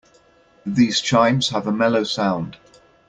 These chimes have a mellow sound.